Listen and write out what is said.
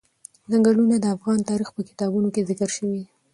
ځنګلونه د افغان تاریخ په کتابونو کې ذکر شوی دي.